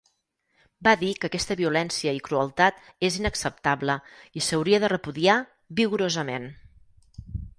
Va dir que aquesta violència i crueltat és inacceptable i s'hauria de repudiar vigorosament.